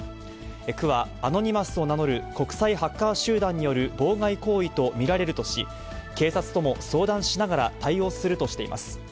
区はアノニマスを名乗る国際ハッカー集団による妨害行為と見られるとし、警察とも相談しながら対応するとしています。